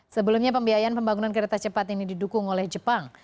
sebelumnya pembiayaan pembangunan kereta cepat ini didukung oleh jepang